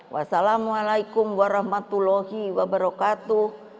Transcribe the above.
wassalamualaikum warahmatullahi wabarakatuh